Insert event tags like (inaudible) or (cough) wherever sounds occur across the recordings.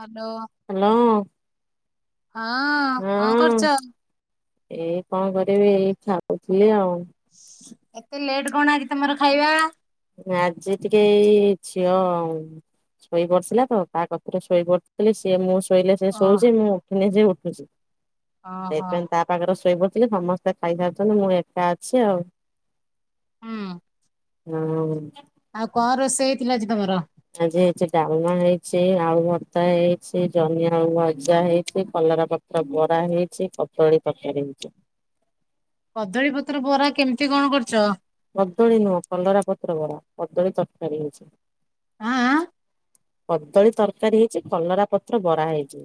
Hello, hello ହଁ କଣ ହଁ କରୁଛ? ଏଇ କଣ କରିବି, ଏଇ ଖାଉଥିଲି ଆଉ। ଏତେ ଲେଟ୍ କଣ ଆଜି ତମର ଖାଇବା? ଆଜି ଟିକେ ଏଇ ଝିଅ ଆଉ ଶୋଇ ପଡିଥିଲା ତ, ତା କତିରେ ଶୋଇ ପଡିଥିଲି। ସିଏ ମୁଁ ଶୋ ଶୋଇଲେ ସେ ଓ ଶୋଉଛି, ମୁଁ ଉଠିନେ ସେ ଉଠୁଛି। ଓହୋ ହୋ ସେଇଥିପାଇଁ ତା ପାଖରେ ଶୋଇପଡ଼ିଥିଲି, ସମସ୍ତେ ଖାଇସାରିଛନ୍ତି ମୁଁ ଏକା ଅଛି ଆଉ। ହୁଁ। ହୁଁ। ଆଉ କଣ ରୋଷେଇ ହେଇଥିଲା ଆଜି ତମର? ଆଜି ହେଇଛି ଡାଲମା ହେଇଛି, ଆଳୁ ଭର୍ତ୍ତା ହେଇଛି, ଜହ୍ନିଆଳୁ ଭଜା ହେଇଛି, କଲରା ପ ତ୍ର ବରା ହେଇଚି, କଦଳୀ ତରକାରୀ ହେଇଚି। କଦଳୀପତ୍ର ବରା କେମିତି କଣ କରୁଚ? କଦଳୀ ନୁହଁ କଲରା ପତ୍ର ବରା, କଦଳୀ ତରକାରୀ ହେଇଛି। ଆଁ- ଆଁ। କଦଳୀ ତରକାରୀ ହେଇଚି, କଲରା ପତ୍ର ବରା ହେଇଚି।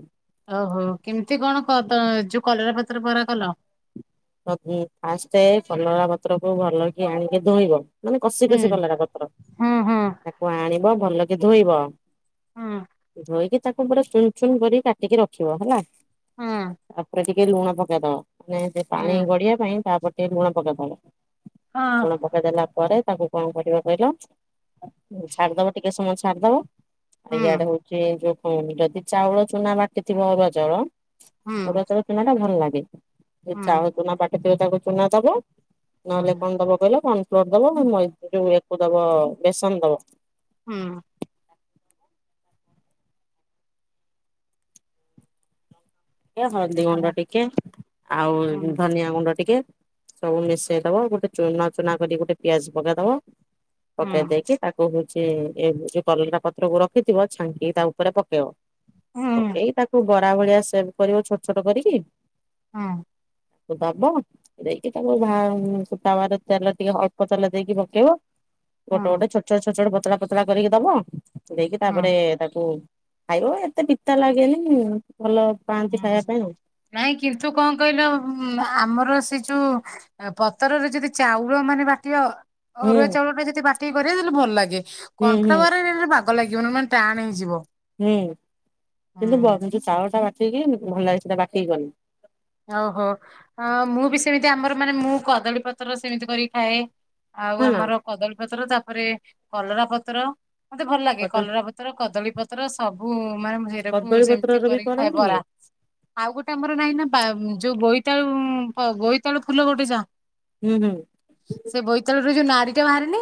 ଓ ହୋ କେମିତି କଣ କ ତ ଯୋଉ କଲରା ପତ୍ର ବରା କଲ? (unintelligible) ଫାଷ୍ଟେ କଲରା ପତ୍ରକୁୁ ଭଲ କି ଆଣିକି ଧୋଇବ। ମାନେ କଷି ହୁଁ କଷି କଲରା ପତ୍ର। ହୁଁ ହୁଁ ତାକୁ ଆଣିବ ଭଲକି ଧୋଇବ। ହୁଁ ଧୋଇକି ତାକୁ ପୁରା ଚୁନ ଚୁନ କରିକି କାଟିକି ରଖିବ ହେଲା। ହୁଁ ତାପରେ ଟି କେ ଲୁଣ ପକେଇଦବ, ମାନେ ସେ ପାଣି ହୁଁ ଗଡିଆ ପାଇଁ ତାପରେ ଟିକେ ଲୁଣ ପକେଇଦବ। ହଁ ଲୁଣ ପ କେଇ ଦେଲା ପରେ, ତାକୁ କଣ କରିବ କହିଲ ଛାଡିଦବ ଟିକେ ସମୟ ଛାଡିଦବ, ଆଉ ଇଆଡେ ହୁଁ। ହଉ ସେ ଯୋଉ କଣ, ଯଦି ଚାଉଳ ଚୁନା ବାଟିଥିବ ଅରୁଆ ଚାଉଳ। ହୁଁ ଅରୁଆ ଚାଉଳ ଚୁନାଟା ଭଲ ଲାଗେ। ହୁଁ ହୁଁ ଚାଉଳ ଚୁନା ବାଟିଥିବ ତାକୁ ଚୁନା ଦବ ନହେଲେ କଣ ଦବ କହିଲ ପ ପ୍ଲଗ୍ ଦବ ଅଁ ମଇ ଏ ଯୋଉ ୟାକୁ ଦବ ବେସନ ଦବ। ହୁଁ। ଏଆ ହଳଦୀ ଗୁଣ୍ଡ ଟିକେ ଆଉ ହୁଁ ହୁଁ ଧନିଆ ଗୁଣ୍ଡ ଟିକେ। ସବୁ ମିଶେଇ ଦବ ଗୋଟେ ଚୁନା ଚୁନା କରି ଗୋଟେ ପିଆଜ ପକେଇ ଦବ ପକେଇ ଦେଇକି। ତାକୁ ହଉଛି ଏ ଯୋଉ କଲରା ପତ୍ରକୁ ରଖିଥିବ ଛାଙ୍କିକି ତା ଉପରେ ପକେଇବ। ହୁଁ ପକେଇ ତାକୁ ବରା ଭଳିଆ ସେପ କରିବ ଛୋଟ ଛୋଟ କରିକି। ହଁ। ଦବ। ଦେଇକି ତାକୁ ଭା ଉଁ ସେ ତାୱାରେ ତେଲ ଟିକେ ଅଳ୍ପ ତେଲ ଦେଇକି ପକେଇବ। ଗୋଟେ ଗୋଟେ ଛୋଟ ଛୋଟ ଛୋଟ ଛୋଟ ପତଳା ପତଳା କରିକି ଦବ ଦେଇକି ହୁଁ ତାପରେ ତାକୁ। ଖାଇବ ଏତେ ପିତା ଲାଗେନି ଭଲ ପାଆନ୍ତି ଖାଇବା ହୁଁ ପାଇଁ ଆଉ। ନାଇଁ କିନ୍ତୁ କଣ କହିଲ ଉଁ ଆମର ସେ ଯୋଉ। ଆ ପତରରେ ଯଦି ଚାଉଳ ମାନେ ବାଟିବା ଅ ଅରୁଆ ହୁଁ ଚାଉଳ ଟା ଯଦି ବାଟିକି କରିବ ତାହେଲେ ଭଲ ଲାଗେ ହୁଁ ହୁଁ କନଫ୍ଲାୱାର ରେ ରେ ରେ ବା ବାଗ ଲାଗିବନି ମାନ ଟାଣ ହେଇଯିବ। ହୁଁ କିନ୍ତୁ ବ ହୁଁ ସେ ଯଉ ଚାଉଳ ଟା ବାଟିକି ଉଁ ଭଲ ଲାଗେ ସେଟା ବାଟିକି କଲେ। ଓହୋ ଅ ମୁଁ ବି ସେମିତି ଆମର ମାନେ ମୁଁ କଦଳୀ ପତ୍ର ସେମିତି କରି ଖାଏ। ଆଉ ହଁ ନା ଆମର କଦଳୀପତ୍ର ତାପରେ କଲରା ପତ୍ର ମତେ ଭଲ ଲାଗେ କଦ କଲରା ପ ତ୍ର କଦଳୀ ପତ୍ର ସବୁ ମାନେ ମୁଁ ସେରାକୁ କଦଳୀ ସେମିତି ପତ୍ରର ବି କରିକି ଖାଏ କରନ୍ତି କି ବରା। ଆଉ ଗୋଟେ ଆମର ନାହିଁ ନା। ପା ଉଁ ଯୋଉ ବୋଇତାଳୁ ଉଁ ପ ବୋଇତାଳୁ ଫୁଲ ଗୋଟେ ଯା। ହୁଁ ହୁଁ। ସେ ବୋଇତାଳୁ ରୁ ଯୋଉ ନାଡି ଟା ବାହାରେନି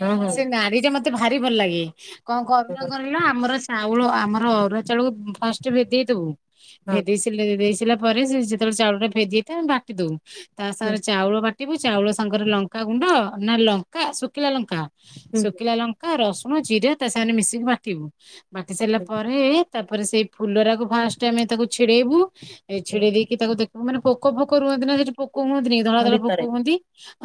ହଁ ହଁ ସେ ନାଡି ଟା ମ ମତେ ଭାରି ଭଲ ଲାଗେ କଣ କରନା କରିଲ ଆମର ଚାଉଳ ଆମର ଅରୁଆ ଚଳକୁ ଫାର୍ଷ୍ଟ ଭେଦେଇ ଦବୁ ହଁ ଭେଦେଇ ସିଲା ରେଇ ସିଲା ପରେ ସେ ଯେତେବେଳେ ଚାଉଳ ଟା ଭେଦେଇ ଥା ବାଟିଦଉ। ତା ହୁଁ ସାଙ୍ଗରେ ଚାଉଳ ବାଟିବୁ ଚାଉଳ ସାଙ୍ଗରେ ଲଙ୍କା ଗୁଣ୍ଡ ନା ଲଙ୍କା ଶୁଖିଲା ଲଙ୍କା। ହୁଁ ଶୁଖିଲା ଲଙ୍କା, ରସୁଣ, ଜିରା ତା ସାଙ୍ଗନେ ମିଶିକି ବାଟିବୁ ବାଟି ସାରିଲା ହୁଁ ପରେ। ତାପରେ ସେଇ ଫୁଲରାକୁ ଫାର୍ଷ୍ଟ ଆମେ ତାକୁ ଛିଡେଇବୁ ଏ ଛିଡେଇ ଦେଇକି ତାକୁ ଦେ ଉ ମାନେ ପୋକ ଫୋକ ରୁହନ୍ତି ନା ସେଠି ପୋକ ହୁଅନ୍ତି ନି କି ଧଳା ହଁ ଧଳା ପୋକ ଭିତରେ ହୁଅନ୍ତି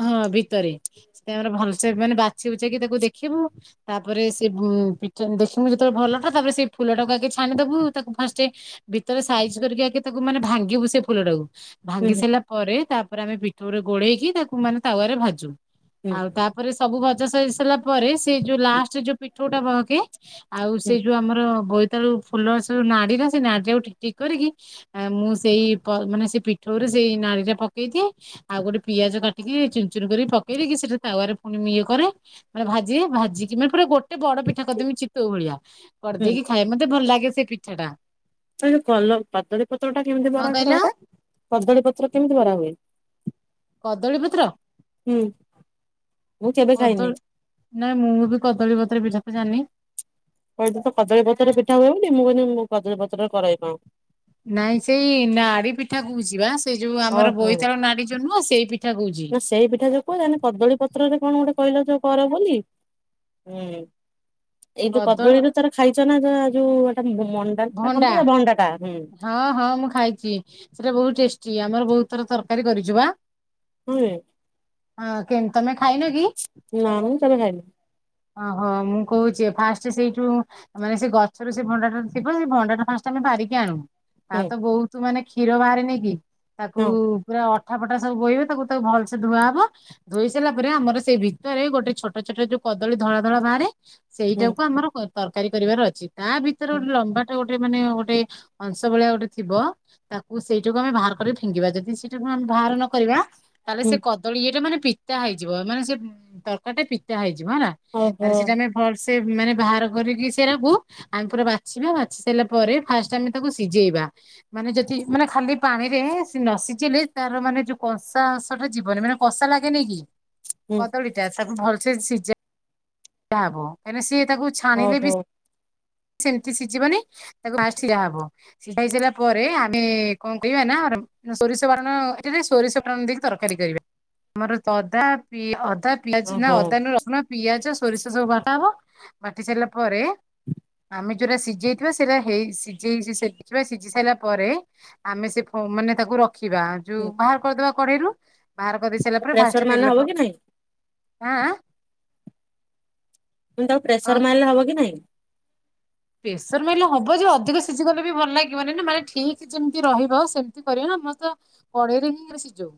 ହଁ ଭିତରେ। ସେ ଆମର ଭଲସେ ମାନେ ବାଛିି ବୁଛେଇକି ତାକୁ ଦେଖିବୁ। ତାପରେ ସେ (unintelligible) ଦେଖିମୁ ଯେତେବେଳେ ଭଲଟା ତାପରେ ସେ ଫୁଲଟାକୁ ଆଗେ ଛାଣିଦବୁ ତାକୁ ଫାର୍ଷ୍ଟେ। ଭିତରେ ସାଇଜ କରିକି ଆଗେ ତାକୁ ମାନେ ଭାଙ୍ଗିବୁ ସେ ଫୁଲ ଟାକୁ ହୁଁ ଭାଙ୍ଗି ହୁଁ ସାରିଲା। ପରେ ତାପରେ ଆମେ ପିଠଉରେ ଗୋଳେଇକି ତାକୁ ମାନେ ତାୱାରେ ଭାଜୁ ହୁଁ ଆଉ ତା ପରେ ସବୁ ଭଜା ସରି ସରିଲା ପରେ ସେ ଯୋଉ ଲାଷ୍ଟରେ ଯୋଉ ପିଠଉଟା ବହକେ ଆଉ ହୁଁ ସେ ଯୋଉ ଆମର ବୋ ତାଳୁ ଫୁଲ ସେ ଯୋଉ ନାଡିର ସେ ନାଡି ଟାକୁ ଟିକ ଟିକ କରିକି। ଆଁ ମୁଁ ସେଇ ପ ମାନେ ସେ ପିଠଉରେ ସେଇ ନାଡିଟା ପକେଇ ଦିଏ। ଆଉ ଗୋଟେ ପିଆଜ କାଟିକି ଚୁନ ଚୁନ କରି ପକେଇ ଦେଇକି ସେଟା ତାୱାରେ ପୁଣି ମୁଁ ଇଏ କରେ। ମାନେ ଭାଜି ଭାଜିକି ମାନେ ପୁରା ଗୋଟେ ବଡ ପିଠା କରିଦେମି ଚିତଉ ଭଳିଆ। ହୁଁ କରିଦେଇକି ଖାଏ ମତେ ଭଲ ଲାଗେ ସେ ପିଠାଟା। ଏ ଯୋଉ କଲ କଦଳୀ ପତ୍ର ଟା କେମିତି କଣ ବରା କର କହିଲ ଆଜ୍ଞା କଦଳୀ ପତ୍ର କେମିତି ବରା ହୁଏ? କଦଳୀପତ୍ର। ହୁଁ। ମୁଁ କେବେ ଖାଇନି। କଦଳ ନାଇଁ ମୁଁ ବି କଦଳୀ ପତ୍ର ପିଠା ତ ଜାଣନି। କହିଲେ ତ କଦଳୀପତ୍ର ପିଠା ହୁଏନି ମୁଁ କହିଲି ମ କଦଳୀପତ୍ରରେ କରକି କଣ। ନାଇଁ ସେଇ ନାଡି ପିଠା କହୁଛିି ବା। ସେ ଯୋଉ ଆମର ଓହୋ ବୋଇତାଳୁ ନାଡି ଯଉ ନୁହଁ ସେଇ ପିଠା କହୁଛି। ନା ସେଇ ପିଠା ଯ କହୁଚ ନା କଦଳୀ ପତ୍ରରେ କଣ ଗୋଟେ କହିଲ ଯେ କର ବୋଲି ହୁଁ। ଏଇ ଯୋଉ କଦଳ କଦଳୀରୁ ତାର ଖାଇଚ ନା ଯା ଯୋଉଟା ମଣ୍ଡାଟା ଭଣ୍ଡା ନାଁ ଗଣ୍ଡାଟା ହୁଁ। ହଁ ହଁ ମୁଁ ଖାଇଚି ସେଟା ବୋହୁତ ଟେଷ୍ଟି ଆମର ବୋହୁତ ଥର ତରକାରୀ କରିଚୁ ବା। ହୁଏ। ହଁ କେମ ତମେ ଖାଇନ କି? ନାଇଁ ତଥାବି। ଓହୋ ମୁଁ କହୁଚି ଫାଷ୍ଟ ସେଇଠୁ ମାନେ ସେ ଗଛରୁ ସେ ଭଣ୍ଡା ଟା ସେ କଣ ଭଣ୍ଡାଟା ଫାଷ୍ଟ ଟା ଆମେ ବାହାରିକି ଆଣୁ ଆଉ ହୁଁ ତ ବୋହୁତ ମାନେ କ୍ଷୀର ବାହାରେନି କି? ତାକୁ ହଁ ପୁରା ଅଠା ପଟା ସବୁ ବୋହିବ ତାକୁ ତାକୁ ଭଲସେ ଧୁଆ ହବ। ଧୋଇ ସାରିଲା ପରେ ଆମର ସେଇ ଭିତରେ ଗୋଟେ ଛୋଟ ଛୋଟ ଯୋଉ କଦଳୀ ଧଳା ଧଳା ବାହାରେ ହୁଁ ସେଇଟାକୁ ଆମର ତରକାରୀ କରିବାର ଅଛି, ତା ଭିତରେ ହୁଁ ଗୋଟେ ଲମ୍ବାଟା ଗୋଟେ ଗୋଟେ ମାନେ ଗୋଟେ ଅଂଶ ଭଳିଆ ଗୋଟେ ଥିବ। ତାକୁ ସେଇଟାକୁ ଆମେ ବାହାର କରିି ଫିଙ୍ଗିବା ଯଦି ସେଇଠାକୁ ଆମେ ବାହାର ନକରିବା ତାହେଲେ ହୁଁ ସେ କଦଳୀ ଇ ଟା ମାନେ ପିତା ହେଇଯିବ, ମାନେ ସେ ତରକାରୀ ଟା ପିତା ହେଇଯିବ ହେଲା। ଓହୋ ସେଇଟା ଆମେ ଭଲସେ ମାନେ ବାହାର କରିକି ସେରାକୁୁ ଆମେ ପୁରା ବା ବାଛିବା ବାଛି ସାରିଲା ପରେ ଫାଷ୍ଟ ଆମେ ତାକୁ ସିଝେଇବା। ମାନେ ଯଦି ମାନେ ଖାଲି ପାଣିରେ ସେ ନ ସିଝିଲେ ତାର ମାନେ ଯୋଉ କଂସାସ ଟା ଯିବନି ମାନେ କସା ଲାଗେ ନିକି? ହୁଁ କଦଳୀ ଟା ତାକୁ ଭଲସେ ସିଝା ହବ କାହିଁକି ସିଏ ତାକୁ ଛାଣିଲେ ବି ଓହୋ କିଛି ସିଝିବନି ତାକୁ ସିରା ହବ ସିଝା ହେଇ ସାରିଲା ପରେ ଆମେ କଣ କହିବା ନା ସୋରିଷ ବାଟଣ (unintelligible) ଏଠରେ ସୋରିଷ ପାଟଣ ଦେଇକି ତରକାରୀ କରିବା ଆମର ଅଦା ପି ଅଦା ପିଆଜ ନା ଓହୋ ଅଦା ରସୁଣ ପିଆଜ ସୋରିଷ ସବୁ ବାଟାହବ ବାଟି ସାରିଲା ପରେ ଆମେ ଯୋଉଟା ସିଝାଇଥିବା ସେଇଟା ହେଇ ସି ସିଝି ସାରିଲା ପରେ ଆମେ ସେ ମାନେ ତାକୁ ର ରଖିବା ଯୋଉ ହୁଁ। ବାହାର କରିଦବା କଡେଇରୁୁ ବାହାର କରିଦେଇ ସାରିଲା ପରେ ପ୍ରେସର ଫାଷ୍ଟ ମାରିଲେ ତେଲ ହବ ପ କି ନାଇଁ ଆଁ ଆଁ କିନ୍ତୁ ତାକୁ କଣ ପ୍ରେସର ମାଇଲେ ହବ କି ନାଇଁ? ପେସର ମାଇଲେ ହବ ଯେ ଅଧିକ ସିଝି ଗଲେ ବି ଭଲ ଲାଗିବନାଇ ନା, ମାନେ ଠିକ୍ ଯେମିତି ରହିବ ସେମିତି କରିବ ନା ହତ କଡେଇରେ ହିଁ ସିଝାଉ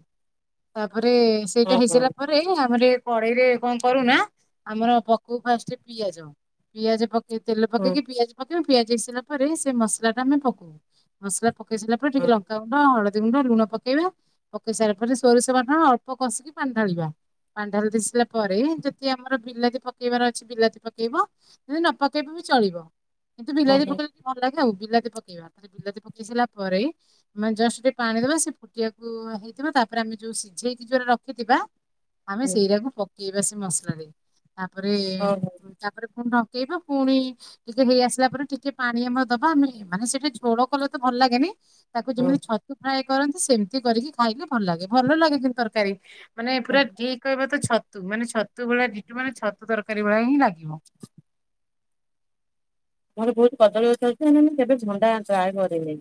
ତାପରେ ସେଇଟା ଓହୋ ହେଇସାରିଲା ପରେ ଆମର କଡେଇରେ କଣ କରୁନା ଆମର ପକଉ ଫାଷ୍ଟ ପିଆଜ ପିଆଜ ପକେଇ ତେଲ ହଁ କି ପିଆଜ ପକେଇବ ପିଆଜ ହେଇସାରିଲା ପରେ ସେ ମସଲା ଟା ଆମେ ପକଉ ମସଲା ପକେଇ ସାରିଲା ପରେ ଟିକେ ହଁ ଲଙ୍କା ହଳଦୀ ଗୁଣ୍ଡ ଲୁଣ ପକେଇବା ପକେଇବେ ସାରିଲା ପରେ ସୋରିଷ ବାଟଣ (unintelligible) ଅଳ୍ପ କଷିକି ପାଣି ଢାଳିବା। ପାଣି ଢାଳି ଦିଶିଲା ପରେ ଯଦି ଆମର ବିଲାତି ପକେଇବାର ଅଛି ବିଲାତି ପକେଇବ। ଯଦି ନ ପକେଇବା ବି ଚଳିବ କିନ୍ତୁ ବିଲାତି ଓହୋ ପକେଇଲେ ଭଲ ଲାଗେ ଆଉ ବିଲାତି ପକେଇବା। ବିଲାତି ପକେଇ ସାରା ପରେ ମାନେ ଜଷ୍ଟ ଟିକେ ପାଣି ଦବା ସେ କୁ ହେଇଥିବା ତାପରେ ଆମେ ଯୋଉ ସିଝେଇକି ଯୋଉରା ରଖିଥିବା ଆମେ ସେଇରାକୁ ପକେଇବା ସେ ମସଲା ତାପରେ ଓହୋ ତାପରେ ପୁଣି ଡକେଇବ ପୁଣି ଟିକେ ହେଇ ଆସିଲା ପରେ ଟିକେ ପାଣି ଆମେ ଦବା ଆମେ ମାନେ ସେଇଟା ଝୋଳ କଲେ ତ ଭଲ ଲାଗେନି। ତାକୁ ଯେମିତି ଓହୋ। ଛତୁ ଫ୍ରାଏ କରନ୍ତି ସେମିତି କରିକି ଖାଇକି ଭଲ ଲାଗେ ଭଲ ଲାଗେ କିନ୍ତୁ ତରକାରୀ। ମାନେ ପୁରା ଠିକ କହିବା ତ ଛତୁ ମାନେ ଛତୁ ଭଳିଆ ମାନେ ଛତୁ ତରକାରୀ ଭଳିଆ ହିଁ ଲାଗିବ। ମୋର ବୋହୁତ କଦଳୀଗଛ ଅଛି ମୁଁ କେବେ ଝଣ୍ଡା ଟ୍ରାଏ କରେନି।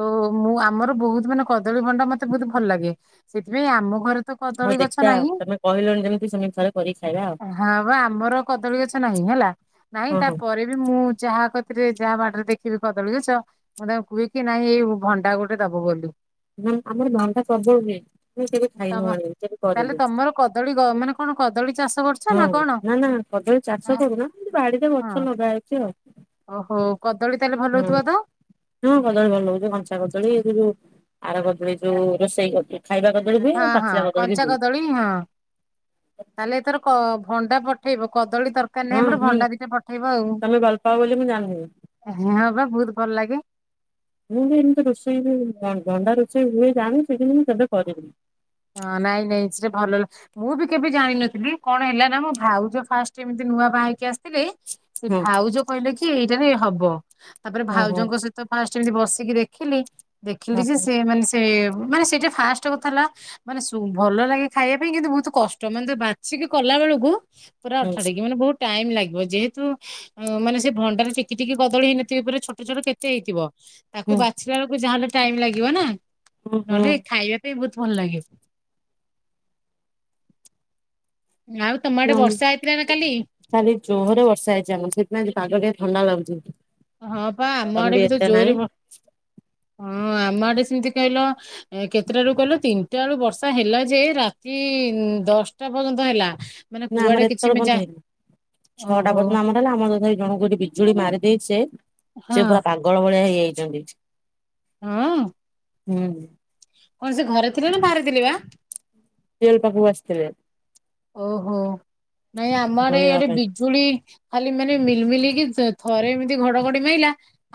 ଓ ମୁଁ ଆମର ବୋହୁତ ମାନେ କଦଳୀ ଭଣ୍ଡା ମତେ ବୋହୁତ ଭଲ ଲାଗେ ସେଥିପାଇଁ ଆମ ଘରେ ତ ହଉ କଦଳୀ ଗଛ ଦେଖିବା ଆଉ ନାହିଁ, ତମେ କହିଲଣି ଯେମିତି ସେମିତି ଥରେ କରିକି ଖାଇବା ଆଉ ହଁ ବା ଆମର କଦଳୀ ଗଛ ନାହିଁ ହେଲା। ନାଇଁ ହଁ ହଁ। ତାପରେ ବି ମୁଁ ଯାହା କତିରେ ଯାହା ବାଡିରେ ଦେଖିବି କଦଳୀ ଗଛ ମୁଁ ତାଙ୍କୁ କୁହେ କି ନାଇଁ ଏଇ ଭଣ୍ଡା ଗୋଟେ ଦବ ବୋଲି। ନା ଆମର ଭଣ୍ଡା ପ୍ରବଳ ହୁଏ, କିନ୍ତୁ କେବେ ଖାଇ ନୁ ଆଣି କେବେ କରି। ତାହଲେ ତମର କଦଳୀ ଗ ମାନେ କଣ କଦଳୀ ଚାଷ କରୁଚ ହଁ ନା ନା କଦଳୀ ଚାଷ କରୁନା କିନ୍ତୁ ବାଡିରେ ହଁ ଗଛ ଲଗା ହେଇଚି ଆଉ। ଓହୋ କଦଳୀ ତାହେଲେ ଭଲ ହଁ ହୋଉଥିବ ତ? ହଁ କଦଳୀ ଭଲ ଲାଗୁଚି କଞ୍ଚା କଦଳୀ କିନ୍ତୁ ଆର କଦଳୀ ଯୋଉ ରୋଷେଇ କରୁଚି ଖାଇବା କଦଳୀ ହଁ ହୁଏ ହଁ ପାଚିଲା କଦଳୀ ବି କଞ୍ଚା ହୁଏ। ହଁ ତାଲେ ଏଥର କ ଭଣ୍ଡା ପଠେଇବ କଦଳୀ ତର କାର ନାହିଁ ହଁ ଆମର ହୁଁ। ଭଣ୍ଡା ଦିଟା ପଠେଇବ ଆଉ ତମେ ଭଲ ପାଅ ବୋଲି ମୁଁ ଜାଣିନି। ହଁ ବା ବହୁତ ଭଲ ଲାଗେ। ମୁଁ ବି ଏମିତି ରୋଷେଇ ହୁଏ ଭ-ଭଣ୍ଡା ରୋଷେଇ ହୁଏ ଜାଣୁଚି କିନ୍ତୁ ମୁଁ କେବେ କରିନି। ହଁ ନାଇଁ ନାଇଁ ସେଟା ଭଲ ମୁଁ ବି କେବେ ଜାଣିନଥିଲି କଣ ହେଲା ନା ମୋ ଭାଉଜ ଫାଷ୍ଟ ଏମିତି ନୂଆ ବାହା ହେଇକି ଆସିଥିଲେ। ସେ ହଁ ଭାଉଜ କହିଲେ କି ଏଇଟାରେ ହବ ତାପରେ ହଁ ହଁ ଭାଉଜଙ୍କ ସ ତ ଫାଷ୍ଟ ଏମିତି ବସିକି ଦେଖିଲି ଦେଖିଲି ହଁ ଯେ ସେ ମାନେ ସେ ମାନେ ସେଇଟା ଫାଷ୍ଟ କଥା ହେଲା ମାନେ ସୁ ଭଲ ଲାଗେ ଖାଇବା ପାଇଁ କିନ୍ତୁ ବହୁତ କଷ୍ଟ ମାନେ ତା ବାଛିିକି କଲା ବେଳକୁ ପୁରା ହଁ ଆଠାଟିକ ମାନେ ବହୁତ ଟାଇମ୍ ଲାଗିବ ଯେହେତୁ ଅ ମାନେ ସେ ଭଣ୍ଡାରେ ଟିକି ଟିକି କଦଳୀ ହେଇନଥିବେ ପରା ଛୋଟ ଛୋଟ କେତେ ହେଇଥିବ। ହୁଁ। ତାକୁ ବାଛିଲା ବେଳୁକୁ ଯାହାହେଲେ ଟାଇମ ଲାଗିବ ନା ଓହୋ ନହେଲେ ଖାଇବା ପାଇଁ ବହୁତ ଭଲ ଲାଗେ। ଆଉ ତମ ଆଡେ ନାଇଁ ବର୍ଷା ହେଇଥିଲାନା କାଲି? କାଲି ଜୋହରେ ବର୍ଷା ହେଇଚି ଆମର ସେଇଥିପାଇଁ ଆଜି ପାଗ ଟିକେ ଥଣ୍ଡା ଲାଗୁଚି। ହଁ ପା ଆମ ଆଡେ ବି ତ ଜୋରେ ବ ହଁ ଆମ ଆଡେ ସେମିତି କଇଲ କେତେଟା ରୁ କଇଲ ତିନିଟା ବେଳୁ ବର୍ଷା ହେଲା ଯେ ରାତି ଦଶଟା ପର୍ଯ୍ୟନ୍ତ ହେଲା। ମାନେ ନା କୁଆଡେ ଆମର କିଛି ଏତଳ ମେ ଯା ପର୍ଯ୍ୟନ୍ତ ହେଇନି ଛଅଟା ଓହୋ ପର୍ଯ୍ୟନ୍ତ ଆମ ହେଲେ ଆମର (unintelligible) ଜଣଙ୍କୁ ଏଠି ବିଜୁଳି ମାରି ଦେଇଚି ଯେ ହଁ ସେ ପୁରା ପାଗଳ ଭଳିଆ ହେଇଯାଇଚନ୍ତି। ହଁ। ହୁଁ। ହଁ ସେ ଘରେ ଥିଲେ ନା ବାହାରେ ଥିଲେ ବା? ଟିଅଲ ପାଖୁକୁ ଆସିଥିଲେ। ଓହୋ ନାଇଁ ଆମ ଆଡ଼େ ଧୋଇବା ଏଇଆଡେ ପାଇଁ। ବି ଜୁଳି ଖାଲି ମାନେ ମିଲ୍ ମିଲ୍ ହେଇ ତ ଥରେ ଏମିତି ଘଡଘଡି ମାଇଲା।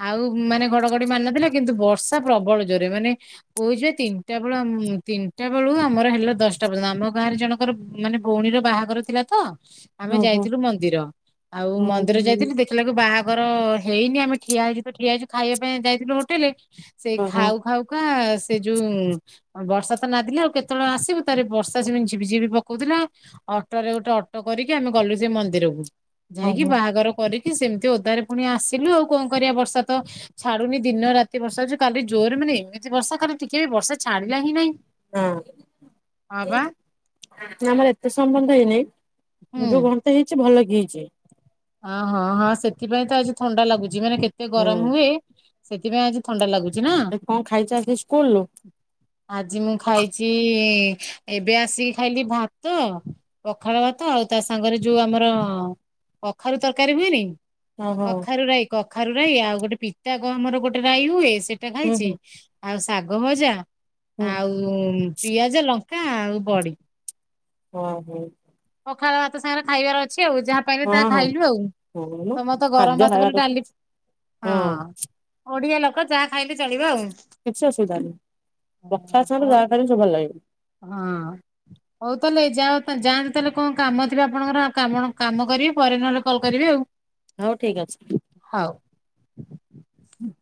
ଆଉ ମାନେ ଘଡଘଡି ମାରିନଥିଲା କିନ୍ତୁ ବର୍ଷା ପ୍ରବଳ ଜୋରେ ମାନେ କହୁଚି ପା ତିନିଟା ବେଳୁ ଆମ୍ ତିନିଟା ବେଳୁ ଆମର ହେଲା ଦଶଟା ପର୍ଯ୍ୟନ୍ତ ଆମ ଗାଁରେ ଜଣଙ୍କର ମାନେ ଭଉଣୀର ବାହାଘର ଥିଲା ତ ଆମେ ଓହୋ ହଁ ଯାଇଥିଲୁ ମନ୍ଦିର ଆଉ ମନ୍ଦିର ଓହୋ ଯାଇଥିଲି ଦେ ଖିଲାକୁ ବାହାଘର ହେଇନି ଆମେ ଠିଆ ହେଇଚୁ ତ ଠିଆ ହେଇଚୁ ଖାଇବା ପାଇଁ ଯାଇଥିଲୁ ହୋଟେଲ। ସେଇ ଓହୋ ଖାଉ ଖାଉ କା ସେ ଯୋଉ ବର୍ଷା ତ ନାଦିଲା ଆଉ କେତବେଳେ ଆସିବୁ ତାପରେ ବର୍ଷା ସେମି ଝିପିଝିିବି ପ କଉଥିଲା ଅଟୋରେ ଗୋଟେ ଅଟୋ କରିକି ଆମେ ଗଲୁ ସେଇ ମନ୍ଦିରକୁ ହଁ ଯାଇକି ହଁ ବାହାଘର କରିକି ସେମିତି ଓଦାରେ ପୁଣି ଆସିଲୁ ଆଉ କଣ କରିବା ବର୍ଷା ତ ଛାଡୁନି ଦିନ ରାତି ବର୍ଷା ହଉଚି କାଲି ଜୋରେ ମାନେ ଏମିତି ବର୍ଷା କାଲି ଟିକେ ବି ବର୍ଷା ଛାଡିଲା ହିଁ ନାହିଁ। ହଁ ହଁ ବା। ନାଁ ଆମର ଏତେ ସମୟ ହେଇନେଇ। ହୁଁ ଯୋଉ ଘଣ୍ଟେ ହେଇଚି ଭଲ କି ହେଇଚି। ଅ ହଁ ହଁ ସେଥିପାଇଁ ତ ଆଜି ଥଣ୍ଡା ଲାଗୁଚି ମାନେ କେତେ ହୁଁ ଗରମ ହୁଏ ସେତିପାଇଁ ଆଜି ଥଣ୍ଡା ଲାଗୁଚି ନା? ଏ କଣ ଖାଇଛ ଆଜି ସ୍କୁଲରୁ ଆଜି ମୁଁ ଖାଇଚି ଏବେ ଆସିକି ଖାଇଲି ଭାତ ପଖାଳ ଭାତ ଆଉ ତା ସାଙ୍ଗରେ ଯୋଉ ଆମର କଖାରୁ ତରକାରୀ ହୁଏନି ଓହୋ କଖାରୁ ରାଇ। କଖାରୁ ରାଇ ଆଉ ଗୋଟେ ପିତା କ ଆମର ଗୋଟେ ରାଇ ହୁଏ ସେଟା ହୁଁ ଖାଇଚି। ହୁଁ ଆଉ ଶାଗ ଭଜା। ହୁଁ। ଆଉ ପିଆଜ ଲଙ୍କା ଆଉ ବଡି। ଓ ହୋ। ପଖାଳ ଭାତ ସାଙ୍ଗରେ ଖାଇବାର ଅ ଛି ଆଉ ଯାହା ପାଇଲେ ତା ହଁ ଖାଇଲୁ ଆଉ ହଁ ହଁ ମ ତମର ତ ଗରମ ଖାଦ୍ୟ ଭାତ ଖାଇବା ବୋଲି କଥା ଡାଲି ହଁ ଓଡିଆ ଲୋକ ଯାହା ଖାଇଲେ ଚଳିବ ଆଉ। କିଛି ଅସୁବିଧା ନାହିଁ। ରକ୍ଷାସ ହେଲେ ହଉ ଯାହା ବି ସବୁ ଭଲ ଲାଗିବି। ହଁ। ହଉ ତାହେଲେ ଯାଓ ତା ଯାଆ ତାହେଲେ କଣ କାମଥିବ ଆପଣଙ୍କର ଆଉ କାମ କାମ କରି ପରେ ନହେଲେ କଲ୍ କରିବି ଆଉ। ହଉ ଠିକ ଅଛି। ହଉ। ହୁଁ ହ